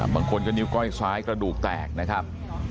บางคนก็นิ้วก้อยซ้ายกระดูกแตกนะครับ